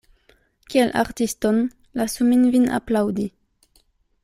Kiel artiston lasu min vin aplaŭdi.